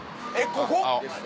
ここ？